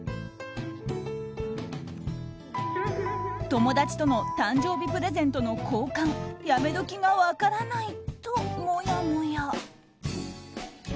友達との誕生日プレゼントの交換やめ時が分からない、ともやもや。